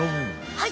はい。